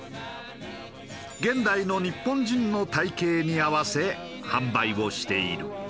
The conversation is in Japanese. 現代の日本人の体形に合わせ販売をしている。